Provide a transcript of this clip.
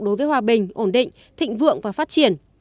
đối với hòa bình ổn định thịnh vượng và phát triển